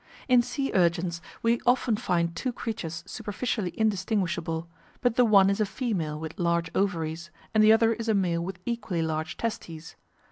In sea urchins we often find two creatures superficially indistinguishable, but the one is a female with large ovaries and the other is a male with equally large testes.